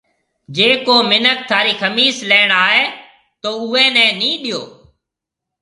جيَ ڪو مِنک ٿارِي کمِيس ليڻ آئي تو اُوئي نَي نِي ڏيو۔